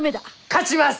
勝ちます！